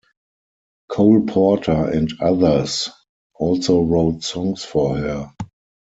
Cole Porter and others also wrote songs for her.